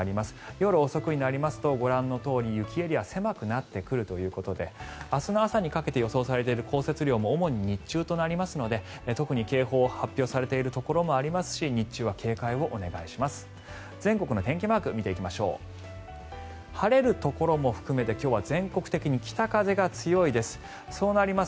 夜遅くになりますとご覧のとおり雪エリアは狭くなってくるということで明日の朝にかけて予想されている降雪量も主に日中となりますので特に警報が発表されているところもありますし日中は警戒をお願いします。